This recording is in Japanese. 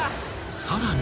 ［さらに］